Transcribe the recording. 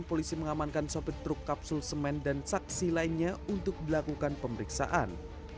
polisi mengamankan sopir truk kapsul semen dan saksi lainnya untuk dilakukan pemeriksaan